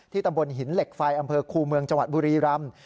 ที่ตำบลหินเหล็กไฟอำเภอคูเมืองจบุรีรำ